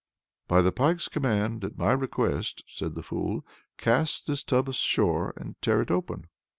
"By the Pike's command, at my request," said the fool, "cast this tub ashore and tear it open!"